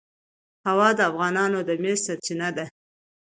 هوا د افغانانو د معیشت سرچینه ده.